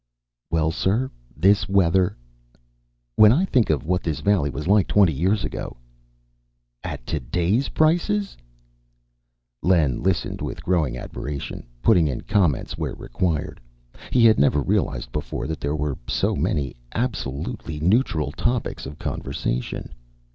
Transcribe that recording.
"Well, sir, this weather " "When I think of what this valley was like twenty years ago " "At today's prices " Len listened with growing admiration, putting in comments where required. He had never realized before that there were so many absolutely neutral topics of conversation.